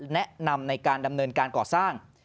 แนะนำในการดำเนินการก่อสร้าง